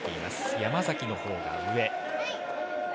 山崎のほうが上。